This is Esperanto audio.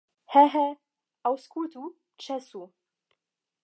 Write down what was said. He, he, aŭskultu, ĉesu!